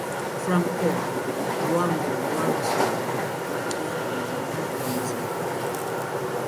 Francois Luambo Luanzo Makiadi mwimbaji wa mziki